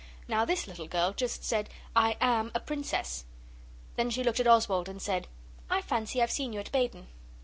Now this little girl just said 'I am a Princess.' Then she looked at Oswald and said, 'I fancy I've seen you at Baden.